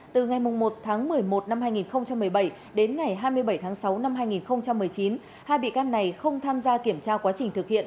từ ngày một tháng một mươi một năm hai nghìn một mươi bảy đến ngày hai mươi bảy tháng sáu năm hai nghìn một mươi chín hai bị can này không tham gia kiểm tra quá trình thực hiện